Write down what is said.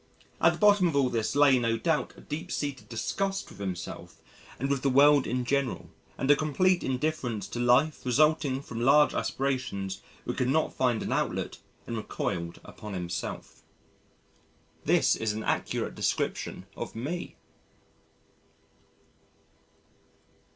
At the bottom of all this lay no doubt a deep seated disgust with himself and with the world in general, and a complete indifference to life resulting from large aspirations which could not find an outlet and recoiled upon himself." This is an accurate description of Me.